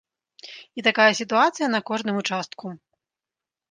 І такая сітуацыя на кожным участку.